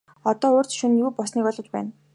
Одоо би урьд шөнө юу болсныг ойлгож байна.